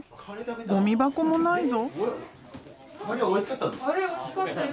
ゴミ箱もないぞ。